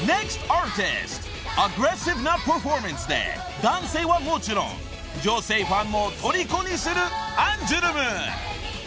アグレッシブなパフォーマンスで男性はもちろん女性ファンもとりこにする］